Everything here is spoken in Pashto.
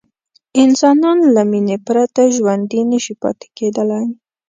انسانان له مینې پرته ژوندي نه شي پاتې کېدلی.